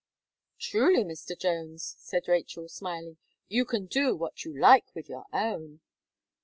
"Truly, Mr. Jones," said Rachel, smiling, "you can do what you like with your own."